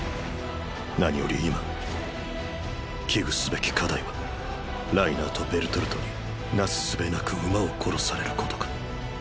何より今危惧すべき課題はライナーとベルトルトになすすべなく馬を殺されることか。